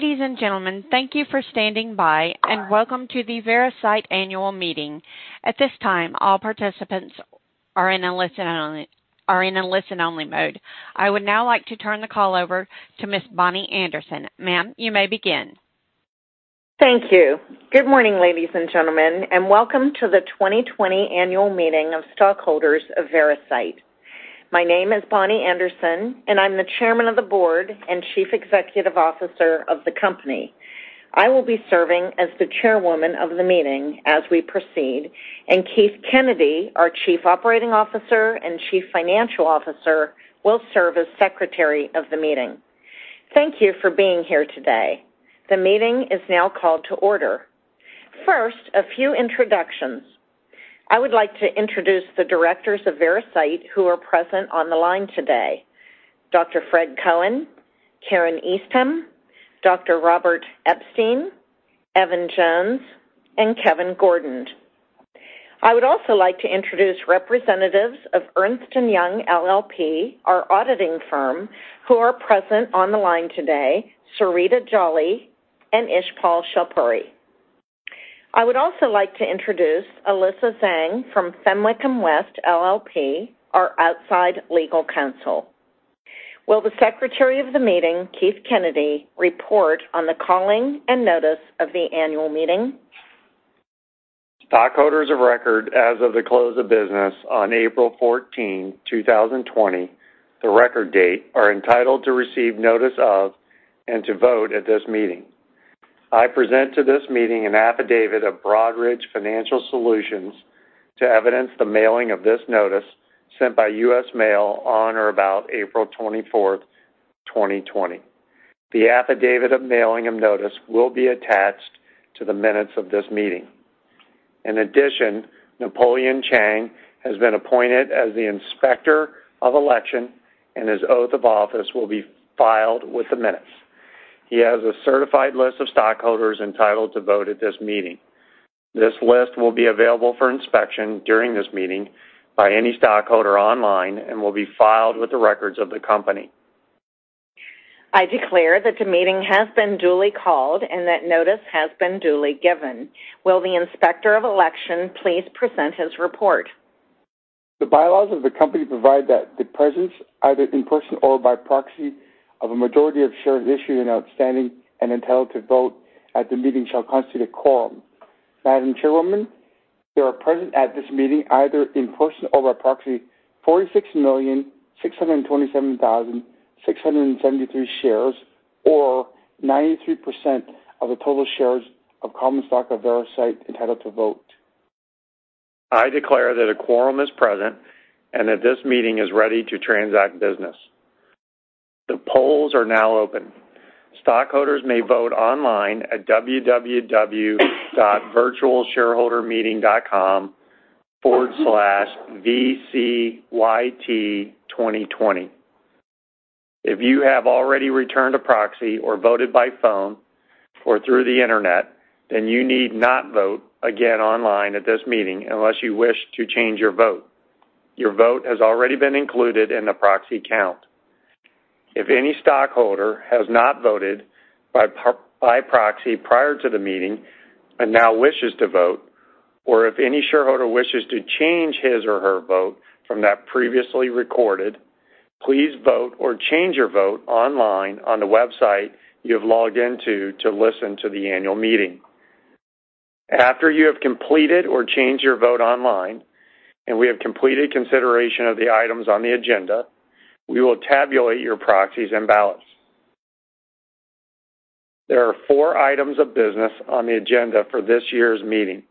Ladies and gentlemen, thank you for standing by, and welcome to the Veracyte Annual Meeting. At this time, all participants are in a listen-only mode. I would now like to turn the call over to Ms. Bonnie Anderson. Ma'am, you may begin. Thank you. Good morning, ladies and gentlemen, welcome to the 2020 annual meeting of stockholders of Veracyte. My name is Bonnie Anderson, and I'm the Chairman of the Board and Chief Executive Officer of the company. I will be serving as the chairwoman of the meeting as we proceed, and Keith Kennedy, our Chief Operating Officer and Chief Financial Officer, will serve as Secretary of the meeting. Thank you for being here today. The meeting is now called to order. First, a few introductions. I would like to introduce the directors of Veracyte who are present on the line today. Dr. Fred Cohen, Karin Eastham, Dr. Robert Epstein, Evan Jones, and Kevin Gordon. I would also like to introduce representatives of Ernst & Young LLP, our auditing firm, who are present on the line today, Sarita Jolly and Ishpal Shalpuri. I would also like to introduce Alyssa Zhang from Fenwick & West LLP, our outside legal counsel. Will the Secretary of the meeting, Keith Kennedy, report on the calling and notice of the annual meeting? Stockholders of record as of the close of business on April 14, 2020, the record date, are entitled to receive notice of and to vote at this meeting. I present to this meeting an affidavit of Broadridge Financial Solutions to evidence the mailing of this notice sent by U.S. Mail on or about April 24th, 2020. The affidavit of mailing of notice will be attached to the minutes of this meeting. In addition, Napoleon Cheng has been appointed as the Inspector of Election, and his oath of office will be filed with the minutes. He has a certified list of stockholders entitled to vote at this meeting. This list will be available for inspection during this meeting by any stockholder online and will be filed with the records of the company. I declare that the meeting has been duly called and that notice has been duly given. Will the Inspector of Election please present his report? The bylaws of the company provide that the presence, either in person or by proxy, of a majority of shares issued and outstanding and entitled to vote at the meeting shall constitute a quorum. Madam Chairwoman, there are present at this meeting, either in person or by proxy, 46,627,673 shares or 93%, of the total shares of common stock of Veracyte entitled to vote. I declare that a quorum is present and that this meeting is ready to transact business. The polls are now open. Stockholders may vote online at www.virtualshareholdermeeting.com/vcyt2020. If you have already returned a proxy or voted by phone or through the Internet, then you need not vote again online at this meeting unless you wish to change your vote. Your vote has already been included in the proxy count. If any stockholder has not voted by proxy prior to the meeting and now wishes to vote, or if any shareholder wishes to change his or her vote from that previously recorded, please vote or change your vote online on the website you have logged in to listen to the annual meeting. After you have completed or changed your vote online and we have completed consideration of the items on the agenda, we will tabulate your proxies and ballots. There are four items of business on the agenda for this year's meeting,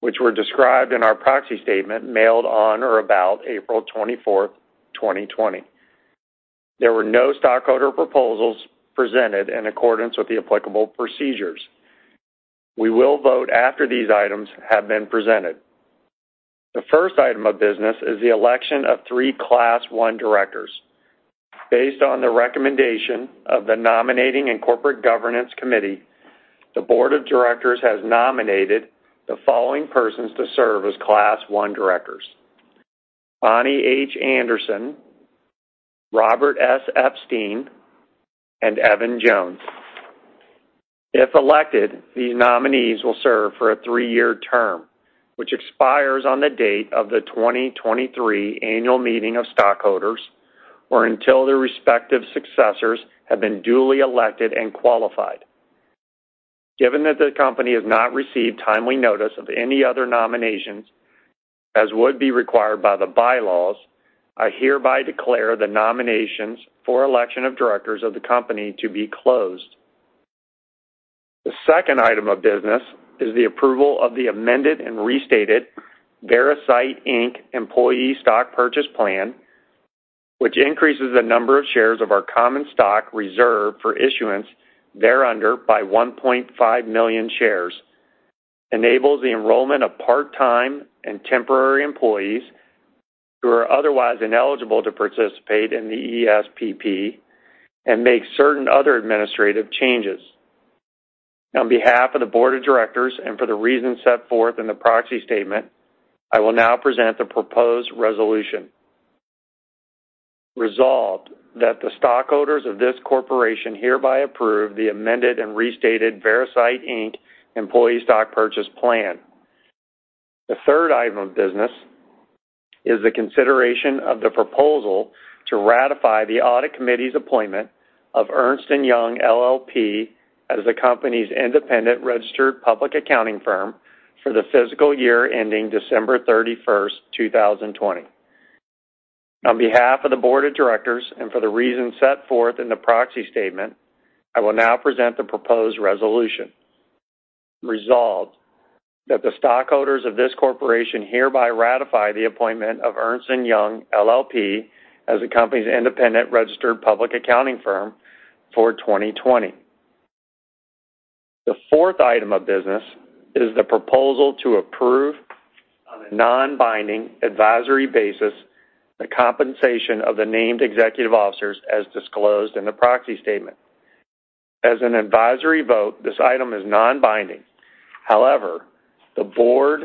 which were described in our proxy statement mailed on or about April 24, 2020. There were no stockholder proposals presented in accordance with the applicable procedures. We will vote after these items have been presented. The first item of business is the election of three Class I directors. Based on the recommendation of the Nominating and Corporate Governance Committee, the board of directors has nominated the following persons to serve as Class I directors: Bonnie H. Anderson, Robert S. Epstein, and Evan Jones. If elected, these nominees will serve for a three-year term, which expires on the date of the 2023 annual meeting of stockholders, or until their respective successors have been duly elected and qualified. Given that the company has not received timely notice of any other nominations as would be required by the bylaws, I hereby declare the nominations for election of directors of the company to be closed. The second item of business is the approval of the amended and restated Veracyte Inc. Employee Stock Purchase Plan, which increases the number of shares of our common stock reserved for issuance thereunder by 1.5 million shares, enables the enrollment of part-time and temporary employees who are otherwise ineligible to participate in the ESPP and makes certain other administrative changes. On behalf of the board of directors and for the reasons set forth in the proxy statement, I will now present the proposed resolution Resolved that the stockholders of this corporation hereby approve the amended and restated Veracyte Inc. Employee Stock Purchase Plan. The third item of business is the consideration of the proposal to ratify the audit committee's appointment of Ernst & Young LLP as the company's independent registered public accounting firm for the fiscal year ending December 31, 2020. On behalf of the board of directors and for the reasons set forth in the proxy statement, I will now present the proposed resolution. Resolved that the stockholders of this corporation hereby ratify the appointment of Ernst & Young LLP as the company's independent registered public accounting firm for 2020. The fourth item of business is the proposal to approve on a non-binding advisory basis the compensation of the named executive officers as disclosed in the proxy statement. As an advisory vote, this item is non-binding. However, the Board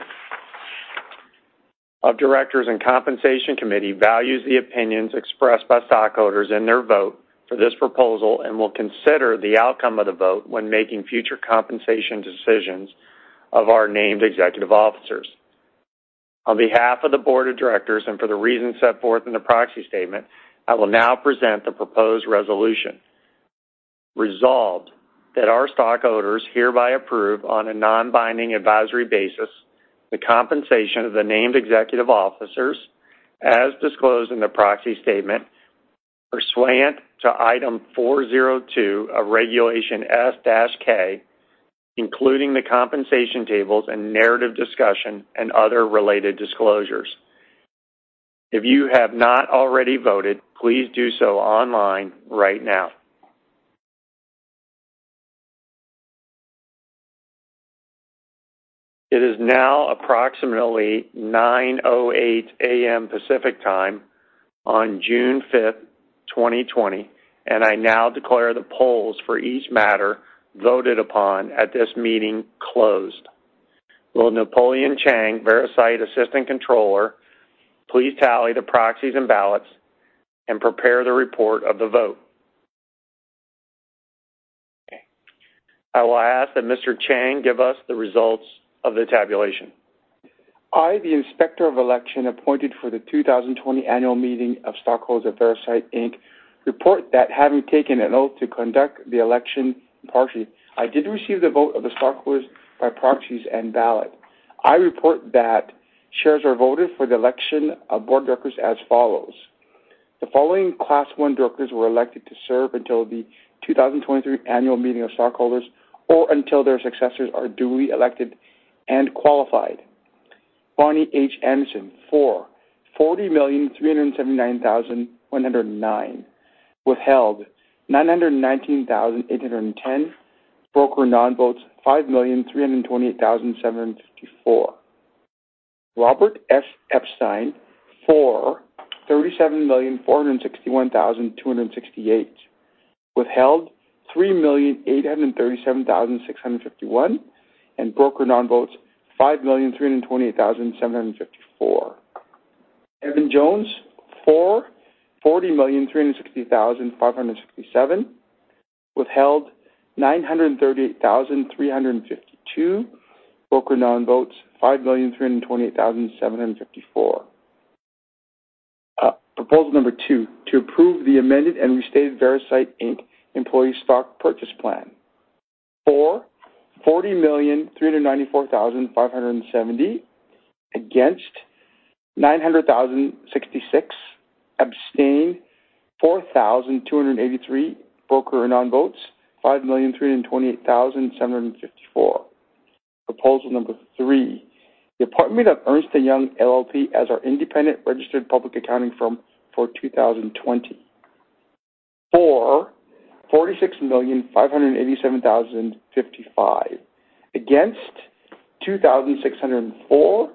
of Directors and Compensation Committee values the opinions expressed by stockholders in their vote for this proposal and will consider the outcome of the vote when making future compensation decisions of our named executive officers. On behalf of the Board of Directors and for the reasons set forth in the proxy statement, I will now present the proposed resolution. Resolved that our stockholders hereby approve on a non-binding advisory basis the compensation of the named executive officers as disclosed in the proxy statement, pursuant to Item 402 of Regulation S-K, including the compensation tables and narrative discussion, and other related disclosures. If you have not already voted, please do so online right now. It is now approximately 9:08 A.M. Pacific Time on June 5th, 2020, and I now declare the polls for each matter voted upon at this meeting closed. Will Napoleon Cheng, Veracyte Assistant Controller, please tally the proxies and ballots and prepare the report of the vote? Okay. I will ask that Mr. Cheng give us the results of the tabulation. I, the Inspector of Election appointed for the 2020 annual meeting of stockholders of Veracyte Inc., report that having taken an oath to conduct the election impartially, I did receive the vote of the stockholders by proxies and ballot. I report that shares are voted for the election of board directors as follows. The following Class 1 directors were elected to serve until the 2023 annual meeting of stockholders, or until their successors are duly elected and qualified. Bonnie H. Anderson, for 40,379,109. Withheld, 919,810. Broker non-votes: 5,328,754. Robert S. Epstein, for 37,461,268. Withheld, 3,837,651. Broker non-votes: 5,328,754. Evan Jones, for 40,360,567. Withheld, 938,352. Broker non-votes: 5,328,754. Proposal number 2, to approve the amended and restated Veracyte Inc. employee Stock Purchase Plan. For, 40,394,570. Against, 900,066. Abstain: 4,283. Broker non-votes: 5,328,754. Proposal number 3, the appointment of Ernst & Young LLP as our independent registered public accounting firm for 2020. For 46,587,055. Against: 2,604.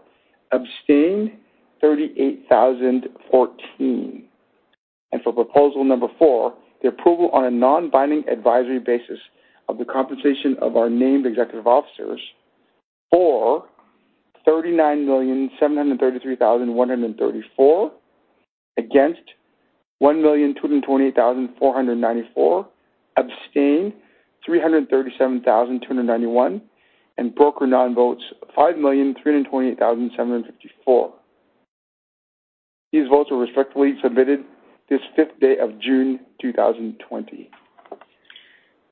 Abstain: 38,014. For proposal number four, the approval on a non-binding advisory basis of the compensation of our named executive officers. For, 39,733,134. Against, 1,228,494. Abstain: 337,291. Broker non-votes: 5,328,754. These votes are respectfully submitted this fifth day of June 2020.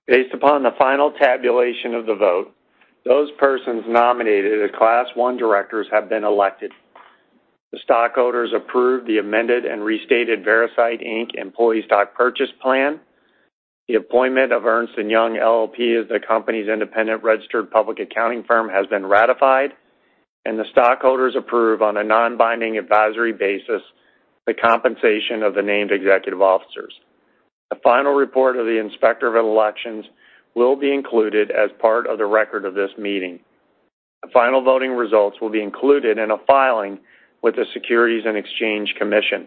Based upon the final tabulation of the vote, those persons nominated as Class 1 directors have been elected. The stockholders approved the amended and restated Veracyte Inc. Employee Stock Purchase Plan. The appointment of Ernst & Young LLP as the company's independent registered public accounting firm has been ratified, and the stockholders approve on a non-binding advisory basis the compensation of the named executive officers. The final report of the Inspector of Elections will be included as part of the record of this meeting. The final voting results will be included in a filing with the Securities and Exchange Commission.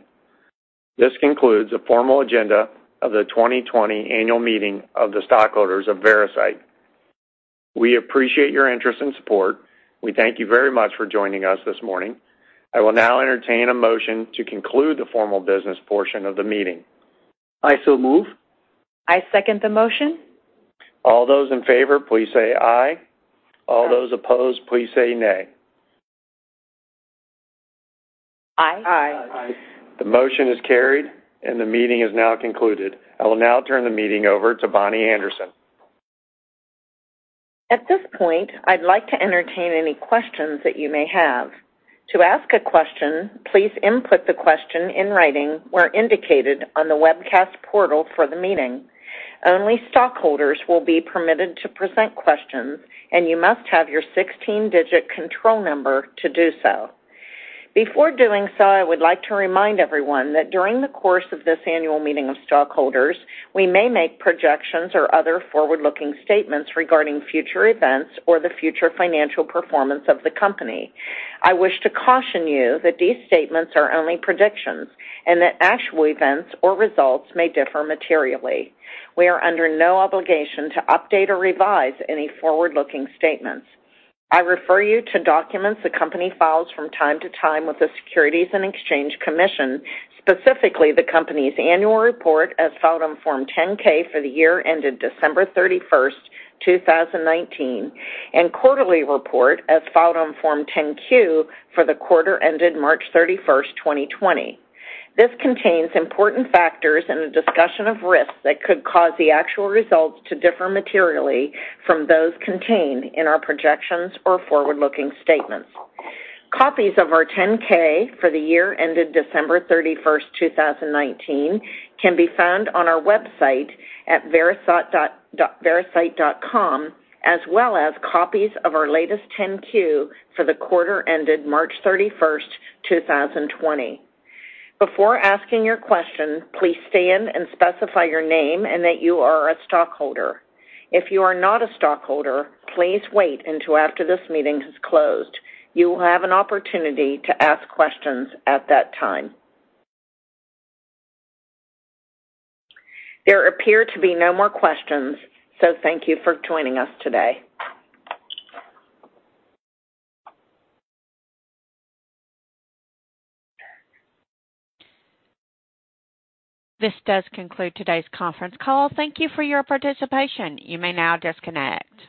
This concludes the formal agenda of the 2020 annual meeting of the stockholders of Veracyte. We appreciate your interest and support. We thank you very much for joining us this morning. I will now entertain a motion to conclude the formal business portion of the meeting. I so move. I second the motion. All those in favor, please say aye. All those opposed, please say nay. Aye. Aye. The motion is carried, and the meeting is now concluded. I will now turn the meeting over to Bonnie Anderson. At this point, I'd like to entertain any questions that you may have. To ask a question, please input the question in writing where indicated on the webcast portal for the meeting. Only stockholders will be permitted to present questions, and you must have your 16-digit control number to do so. Before doing so, I would like to remind everyone that during the course of this annual meeting of stockholders, we may make projections or other forward-looking statements regarding future events or the future financial performance of the company. I wish to caution you that these statements are only predictions and that actual events or results may differ materially. We are under no obligation to update or revise any forward-looking statements. I refer you to documents the company files from time to time with the Securities and Exchange Commission, specifically the company's annual report as filed on Form 10-K for the year ended December 31st, 2019, and quarterly report as filed on Form 10-Q for the quarter ended March 31st, 2020. This contains important factors and a discussion of risks that could cause the actual results to differ materially from those contained in our projections or forward-looking statements. Copies of our 10-K for the year ended December 31st, 2019, can be found on our website at veracyte.com, as well as copies of our latest 10-Q for the quarter ended March 31st, 2020. Before asking your question, please stand and specify your name and that you are a stockholder. If you are not a stockholder, please wait until after this meeting has closed. You will have an opportunity to ask questions at that time. There appear to be no more questions, so thank you for joining us today. This does conclude today's conference call. Thank you for your participation. You may now disconnect.